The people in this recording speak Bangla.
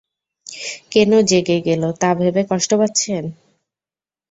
কেনো জেগে গেলো তা ভেবে কষ্ট পাচ্ছেন?